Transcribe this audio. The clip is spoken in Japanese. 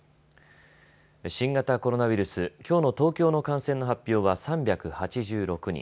新型コロナウイルス、きょうの東京の感染の発表は３８６人。